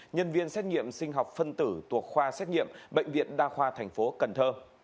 nhân viên xét nghiệm sinh học phân tử tuộc khoa xét nghiệm bệnh viện đa khoa tp cần thơ